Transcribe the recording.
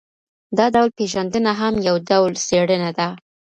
دا ډول پېژندنه هم یو ډول څېړنه ده.